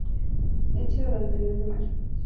Hecha durante el mes de mayo.